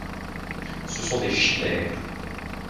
Ce sont des chimères.